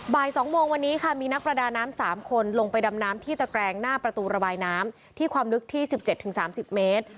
บ่าย๒โมงวันนี้ค่ะมีนักประดาน้ำ๓คนลงไปดำน้ำที่ตะแกรงหน้าประตูระบายน้ำที่ความลึกที่๑๗๓๐เมตร